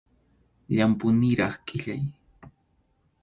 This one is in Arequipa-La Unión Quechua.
Llampʼu niraq qʼillay.